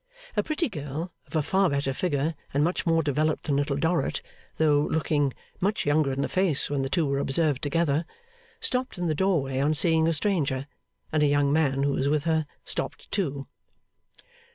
A pretty girl of a far better figure and much more developed than Little Dorrit, though looking much younger in the face when the two were observed together, stopped in the doorway on seeing a stranger; and a young man who was with her, stopped too.